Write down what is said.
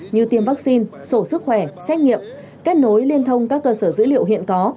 như tiêm vaccine sổ sức khỏe xét nghiệm kết nối liên thông các cơ sở dữ liệu hiện có